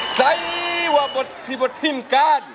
เซย์บัทซีบ้ทิมกัน